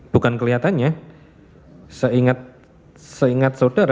bukan kelihatannya seingat saudara